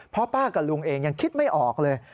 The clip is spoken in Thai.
เพราะป้ากับลุงเองยังคิดไม่ออกเลย